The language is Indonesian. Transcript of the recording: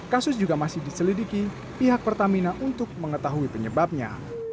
kasus juga masih diselidiki pihak pertamina untuk mengetahui penyebabnya